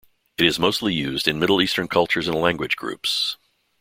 It is mostly used in Middle Eastern cultures and language groups.